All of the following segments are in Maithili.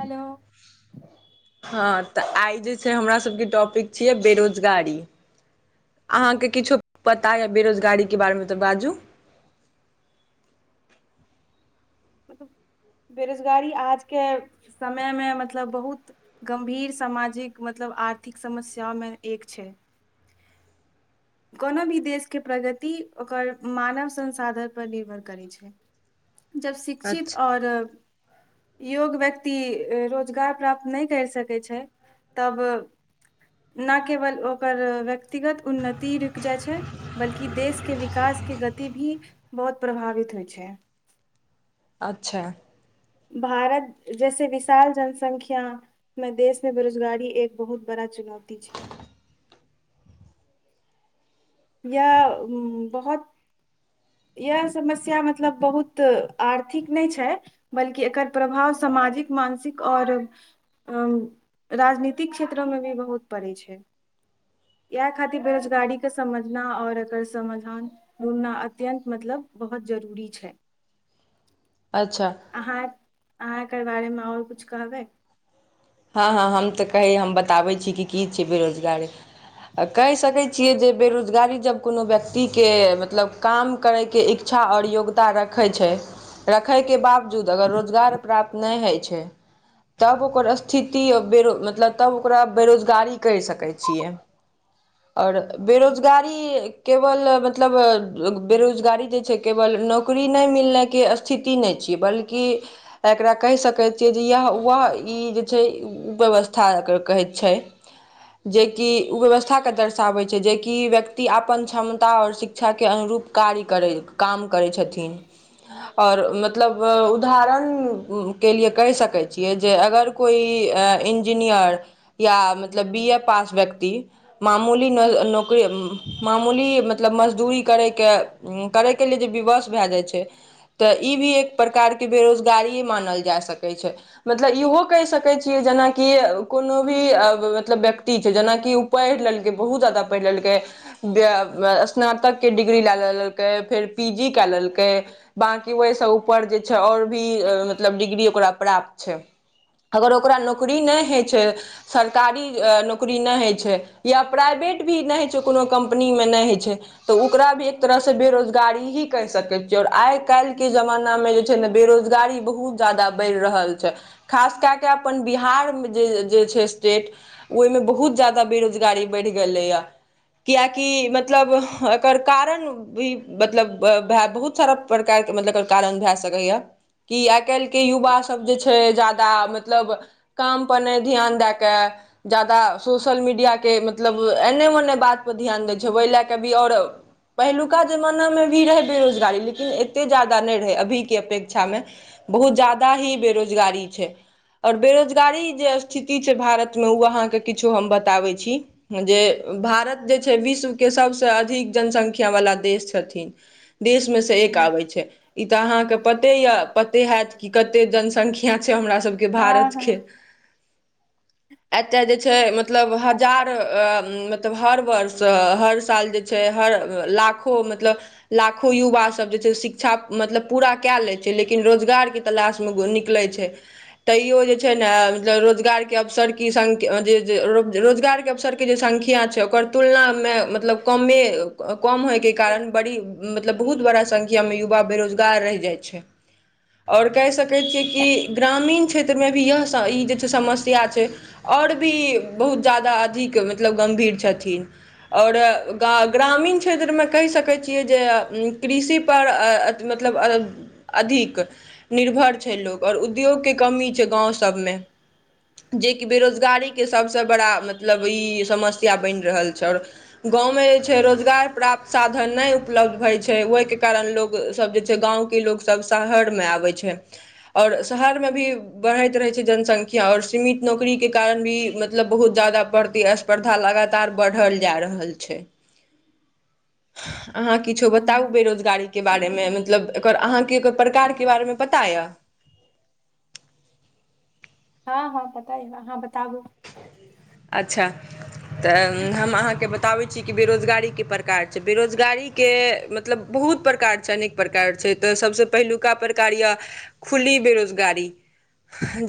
हेलो हँ तऽ आइ जे छै हमरा सबके टॉपिक छियै बेरोजगारी हँ अहाँके किछो पता या बेरोजगारीके बारेमे तऽ बाजू [inaudible] [inaudible] बेरोजगारी आजके समयमे मतलब बहुत गम्भीर सामाजिक मतलब आर्थिक समस्यामे एक छै कोनो भी देशके प्रगति ओकर मानव संसाधनपर निर्भर करै छै [inaudible] जब शिक्षित अच्छा ओर योग व्यक्ति रोजगार प्राप्त नहि करि सकै छै तब न केवल ओकर व्यक्तिगत ती रुकि जाइत छै बल्कि देश के विकास के गति भी बहुत प्रभावित होइ छै अच्छा भारत जैसे विशाल जनसंख्या मे देशमे बेरोजगारी एक बहुत बड़ा चुनौती छै [inaudible] या बहोत इह समस्या मतलब बहुत आर्थिक नहि छै बल्कि एकर प्रभाव समाज सामाजिक मानसिक और राजनीतिक क्षेत्रमे भी बहुत पड़ै छै इएह खातिर बेरोजगारी के समझना और एकर समाधान ढूँढ़ना अत्यन्त मतलब बहुत जरूरी छै अच्छा अहाँ अहाँ एकर बारेमे ओर कुछ कहबै हँ हँ हम तऽ कहै हम बताबै छी कि की छै बेरोजगारी आ कहि सकैत छियै जे बेरोजगारी जब कोनो व्यक्तिके मतलब काम करयके इक इच्छा आओर योग्यता रखै छै रखैके बावजूद अगर रोजगार प्राप्त नहि होइ छै तब ओकर स्थिति बेरो मतलब तब ओकरा बेरोजगारी कहि सकै छियै आओर बेरोजगारी केवल मतलब बेरोजगारी जे छै केवल नौकरी नहि मिलनेइके स्थिति नहि छै बल्कि ऐकरा कहि सकै छियै जे यह वह ई जे छै व्यबस्था एकर कहै छै जेकि उ व्यवस्था के दर्शाबै छै जेकि व्यक्ति अपन क्षमता आओर शिक्षा के अनूप रूप कार्य करै काम करै छथिन आओर मतलब उदाहरण के लिए कहि सकै छियै जे अगर कोइ इंजीनियर या मतलब बी ए पास व्यक्ति मामूली न नौकरी मामूली मतलब मजदूरी करय के करय के लिए जे विवश भए जाइ छै तऽ ई भी एक प्रकारके बेरोजगारी मानल जा सकैत छै मतलब इहो कहि सकै छीयै जेनाकि कोनो भी मतलब व्यक्ति छै जेनाकि उ पढ़ि लेलक बहुत पढ़ि लेलकै स्नातक के डिग्री लए लेलकै फेर पी जी के लेलकै बांकि ओइ से उपर जे छै आओर भी मतलब डिग्री ओकरा प्राप्त छै अगर ओकरा नौकरी नहि होइ छै सरकारी नौकरी नहि होइ छै या प्राइवेट भी नहि होइ छै कोनो कम्पनी मे नहि होइ छै तऽ उकरा भी एक तरहसँ बेरोजगारी ही कहि सकै छियै आइ काल्हि के जमानामे जे छै ने बेरोजगारी बहुत जादा बढ़ि रहल छै खास कए कऽ [unintelligible] अपन बिहार जे जे छै स्टेट ओहिमे बहुत जादा बेरोजगारी बढ़ि गेलैए कियकि मतलब एकर कारण भी मतलब भए बहुत सारा प्रकार मतलब एकर कारण भए सकैया कि आइ काल्हि के युवा सब जे छै जादा मत मतलब काम पर नहि ध्यान दएके जादा सोशल मीडिया के मतलब एन कियो ने बात पर ध्यान दै छै ओहि लए कऽ भी आओर पहिलुका जमाना मे भी रहै बेरोजगारी लेकिन एतेक जादा नहि रहै अभीके अपेक्षामे बहुत जादा ही बेरोजगारी छै आओर बेरोजगारी जे स्थिति छै भारत में ओ अहाँके किछु हम बताबै छी जे भारत जे छै विश्व के सबसँ अधिक जनसंख्या वला देश छथिन देश में से एक हूँ, आबै छै इ त अहां के पते ये पते हैत की कते जनसंख्या छै हमरा सब हाँ भारत के हाँ एतय जे छै मतलब हजार मतलब हर वर्ष हर साल जे छै हर लाखो मतलब लाखो युवा सब जे छै शिक्षा मतलब पूरा कए लै छै लेकिन रोजगार के तलाश मे निकलै छै तैयो जे छै ने मतलब रोजगार के अवसर की संख्य जे जे रो रोज रोजगार के अवसर के जे संख्या किये छै ओकर तुलनामे मतलब कमे क कम होइके कारण बड़ी मतलब बहुत बड़ा संख्या में युवा बेरोजगार रहि जाय छै आऔर कहि सकै कहै छियै कि ग्रामीण छ क्षेत्र मे भी यह स ई जे छै समस्या छै आओर भी बहुत जादा अधिक मतलब गंभीर छथिनऔर गा ग्रामीण क्षेत्रमें कहि सकै छियै जे कृषि पर अ अ अथि मतलब अधिक मतलब अधिक निर्भर छै लोक आओर उद्योग के कमी छै गाँव सभमे जेकि बेरोजगारीके सभसँ बड़ा मतलब ई समस्या बनि रहल छै आओर गाँवमे जे छै रोजगार प्राप्त साधन नहि उपलब्ध होइ छै ओहिके कारण लोको सब जे छै गाँवके कि ‌लोग सब शहर मे आबै छै और शहर मे भी बढ़ैत रहै छै जनसंख्या आओर सीमित नौकरी के कारण भी मतलब बहुत ज्यादा बढ़त् प्रथा लगातार बढ़ल जा रहल छै अहाँ किछो बताउ हूँ, बेरोजगारी के बारेमे मतलब एकर अहाँके एकर प्रकारके बारेमे पता दाय हँ हँ पता अइ आंहा बताबू अच्छा तऽ हम अहाँके बताबै छी कि बेरोजगारीे कै प्रकार छै बेरोजगारीके मतलब बहुत बहुत प्रकार छै अनेक प्रकार छै तऽ सभसँ पहिलुका प्रकार यह खुली बेरोजगारी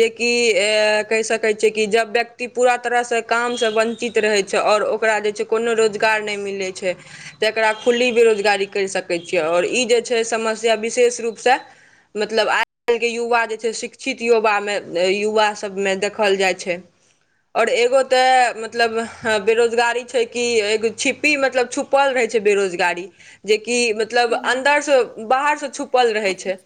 जेकि ए कहि सकै छियै कि जब व्यक कि पूरा तरहसँ कामसँ वञ्चित रहै छै आओर ओकरा जे छै कोनो रोजगार नहि मिलैत छै तऽ एकरा खुल्ली बेरोजगारी कही सकै छियै ओर ई जे छै समस्या विशेष रूपसे मतलब आइ काल्हि के युवा जे छै शिक्षित युवामे युवा सभमे देखल जाइ छै और एगो ते मतलब बेरोजगारी छै कि एगो छिपी मतलब छुपल रहे छै बेरोजगारी जेकि मतलब हूँ अन्दरसे बाहरसँ छुप पल रहै छै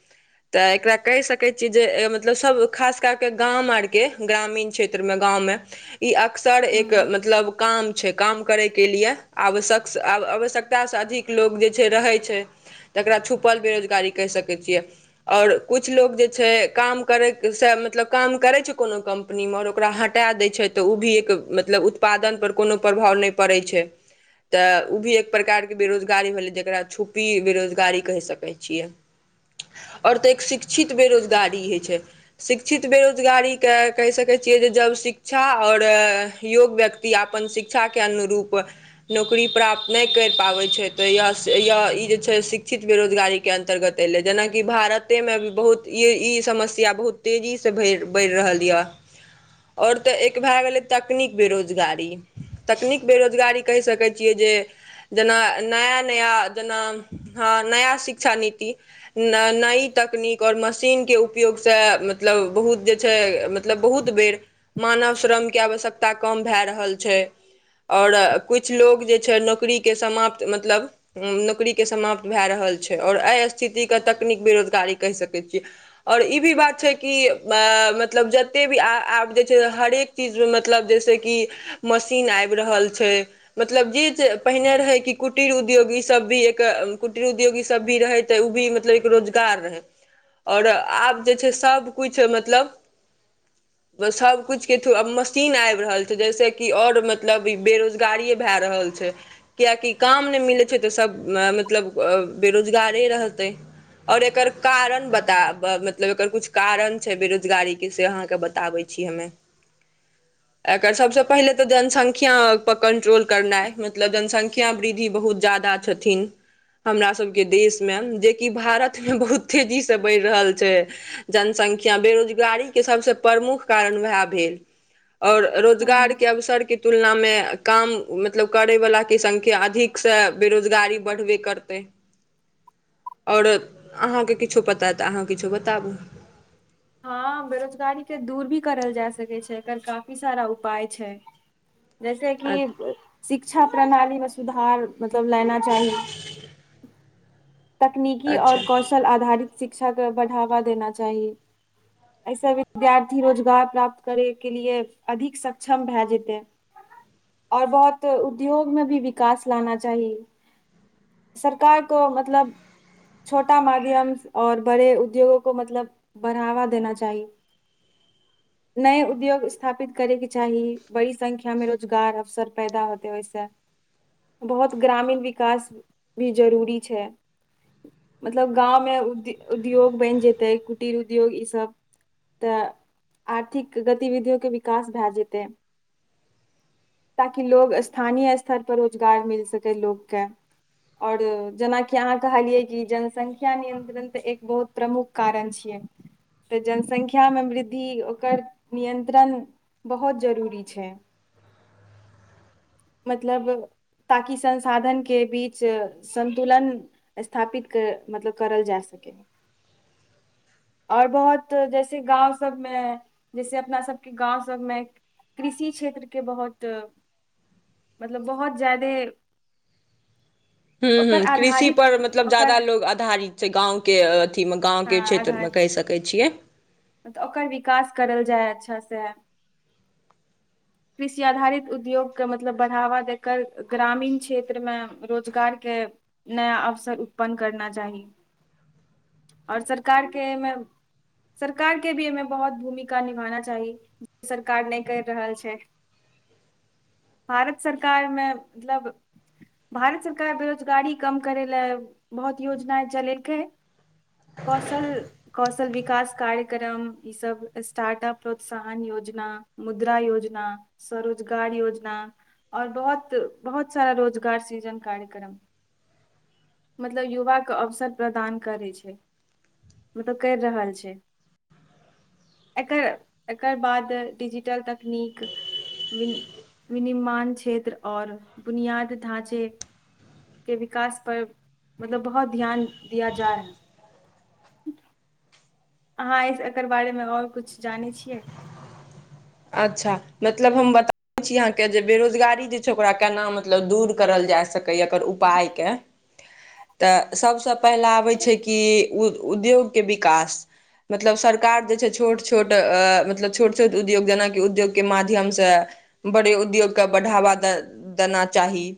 तऽ एकरा कहि सकै छीियै जे मतलब सभ खास कए कऽ गाम आरके ग्रामीण क्षेत्रमे गाँवमे ई अक्सर हूँ एक मतलब काम छै काम करैके लिए आवश्यक आ आवश्यकता से अधिक लोक जे छै रहै छै तकरा छुपल बेरोजगारी कहि सकैत छियै आओर कुछ लोग जे छै काम करै से अ मतलब काम करे छै कोनो कंपनी में आ औकरा ह मता दै छै तऽ ओ भी एक मतलब उत्पादनपर कोनो प्रभाव नहि पड़ै छै तऽ ओ भी एक प्रकारके बेरोजगारी भेलै जकरा छुपी बेरोजगारी कहि सकै छियै ओर तऽ एक शिक्षित बेरोजगारी होइ छै शिक्षित बेरोजगारी के कहि सकै छ जब सिख शिक्षा आओर योग व्यक्ति अपन शिक्षा के अनुरूप नौकरी प्राप्त नइ करि पाबै छै तऽ यह ई जे छै से शिक्षित बेरोजगारी के अन्तर्गत एलै जेनाकि भारते भी बहुत ई समस्या बहुत तेजी से बढ़ि रहल यऽ आमओर तऽ एक भए गेलै तकनीक बेरोजगारी तकनीक बेरोजगारी कहि सकै छियै जे जेना नया नया जेना नया शिक्षा नीति न नयी तकनीक ओर मशीनक उपयोग से मतब बहुत जे छै मतलब बहुत बेर मानव श्रम के आवश्यकता कम भेए रहल छै ओर कुछ लोग जे छै नौकरी के समाप्त मतलब नौकरी के समाप्त भए रहल छै ओर एहि स्थिति के तकनीक बेरोजगारी कहि सकैत छियै ओर ई भी बात छै कि मतलब जते भी आ आब जे छै से हर एक चिज़ मतलब जेसे कि मशीन आबि रहल छै मतलब पहिने रहै कि कुटिर उद्योगी सब भी एक कुटिर उद्योगी सब भी रहै तऽ ओ भी मतलब एक रोजगार रहै आओर आब जे छै सब किुछु मतलब सब सब कुछ के थ्रूब मशीन आबि रहल छै जैस कि ओर मतलब ई बेरोजगारिे भए रहल छै किया कि काम नइ मिलै छै तऽ सभ मतलब बेरोजगारे रहतै और एकर कारण बताब मतलब एकर कुछ कारण छै बेरोजगारी के से अहाँके बताबे छै छी हमे एकर सबसँ पहिले तऽ जनसंख्या पर कंट्रोल करनाइ मतलब जनसंख्या वृद्धि बहुत बहुए जयदा छथिन हमरा सबके देशमे जेकि भारत मे बहुत तेजीसे बढ़ि रहल छै जनस संख्या बेरोजगारी के सबसे प्रमुख कारण वएह भेल आओर रोजगार हूँ के अवसर के तुलना मे काम मतलब करैवलाके संख्या अधिकसे बेरोजगारी बढ़बे करतै आओर अहाँकेँ किछो पता तऽ अहाँ किछो बताबू हँ बेरोजगारी के दूर भी करल जा सकै छै एकर काफी सारा उपाय छै जैसे कि स शिक्षा प्रणालीमे सुधार मतलब लेना चाही तकनीकी आओर अच्छा कौशल आधारित शिक्षाके बढ़ावा देना चाही एहिसँ विद्यार्थी रोजगार प्राप्त करे के लिए अधिक सक्षम भए जेतै आओर बहुत उद्योग मे भी विकास लाना चाही सरकार को मतलब छोटा माध्यम आओर बड़े उद्योगो को मतलब बढ़ावा देना चाही [unintelligible] नए उद्योग स्थापित करेके चाही बड़ी संख्यामे रोजगार अवसर पैदा होतै ओहिसँ बहुत ग्रामीण विकास भी जरूरी छै मतलब गाँवमे उद्य उद्योग बनि जेतै कुटिर उद्योग ईसब तऽ आर्थिक गतिविधिओके विकास भए जेतै ताकि लोग स्थानीय स्तर पर रोजगार मिल सकै लोकके आओर जेनाकि कि अहाँ कहलियै कि जनसंख्या नियन्त्रण तऽ एक बहुत प्रमुख कारण छियै तऽ जनसंख्यामे वृद्धि ओकर नियन्त्रण बहुत जरूरी छै [unintelligible] मतलब ताकि संसाधन के बीच संतुलन स्थापित कर मतलब करल जा सकैए [unintelligible] आओर बहुत जैसे गाँव सबमे जैसे अपना सबके गाँव सबमे कृषि क्षेत्रके बहुत मतलब बहुत जादे हूं हूं कृषि पर मतलब ओकर जादा लोग आधारित छै गाँवके अथीमे गाँवके क्षेत्रमे कहि सकै छियै तऽ ओकर विकास करल जाय अच्छा से [inaudible] कृषि आधारित उद्योग के मतलब बढ़ावा देकर ग्रामीण क्षेत्र मे रोजगार के नया अवसर उत्पन्न करना चाही [unintelligible] आओर सरकारके एमे सरकार के भी एमे बहुत भूमिका निभाना चाही जे सरकार नहि करि रहल छै [unintelligible] भारत सरकारमे मतलब भारत सरकार बेरोजगारी कम करय लए बहुत योजना चलेलकै कौशल कौशल विकास कार्यक्रम ई सब स्टार्टअप प्रोत्साहन योजना मुद्रा योजना सरो रोजगार योजना आओर बहुत बहुत सारा रोजगार सृजन कार्यक्रम मतलब युवाके अवसर प्रदान करै छै मतलब करि रहल छै [unintelligible] एकर एकर बाद डिजिटल तकनीक वि विनिर्माण क्षेत्र आओर बुनियाद ढाँचे के विकास पर मतलब बहुत ध्यान दिया जाय [inaudible] अहाँ एकर बारेमे और किछु जानै छियै अच्छा मतलब हम बता छी आहां के जे बेरोजगारी जे छै ओकरा केना मतलब दूर करल जाय सक सकैया एकर उपाय के तऽ सबसे पहिल आबै छै कि उद्योग के विकास मतलब सरकार जे छै छोट छोट मतलब छोट छोट उ उद्योग जेनाकि उद्योग के माध्यम से बड़े उद्योग के बढ़ावा दना चाही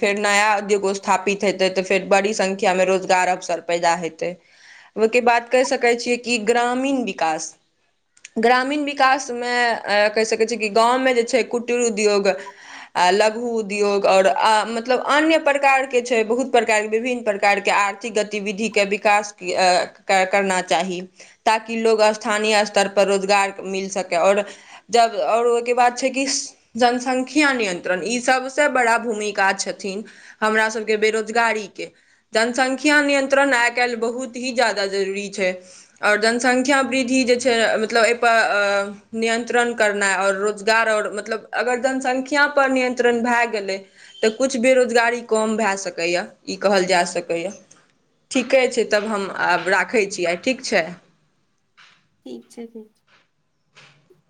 फेर नया उद्योग स्थापित हेतै तऽ फेर बड़ी संख्या मे रोजगार अवसर पैदा हेतै ओ के बाद कहि सकै छियै कि ग्रामीण विकास ग्रामीण विक विकास मे कहि सकै छियै कि गाँव मे जे छै कुटीर उद्योग आ लघु उद्योग ओर मतलब अन्य प्रकार के छै बहुत प्रकार के विभिन्न प्रकार के आर्थिक गतिविधिे विकास करना चाही ताकि लोग स्थानीय स्तर पर रोजगार मिल सकै और जब और ओइके बाद छै कि जनसंख्या नियंत्रण ई सब से बड़ा भूमिका छथिन हमरा सबके बेरोजगारी के जनसंख्या नियंत्रण आइकाल बहुत ही जादा जरूरी छै और जनसंख्या वृद्धि जे छै मतलब पर नियंत्रण करना और रोजगार और मतलब अगर जनसंख्या पर नियन्त्रण भए गेल तऽ कुछ बेरोजगारी कम भए सकैअ इ कहल जा सकैआ ठीके छै तब हम आब राखै छियै आई ठीक छै ठीक छै ठीकछै